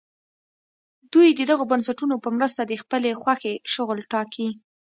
دوی د دغو بنسټونو په مرسته د خپلې خوښې شغل ټاکي.